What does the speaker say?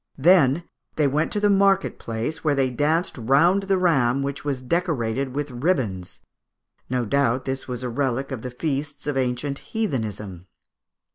They then went to the market place, where they danced round the ram, which was decorated with ribbons. No doubt this was a relic of the feasts of ancient heathenism.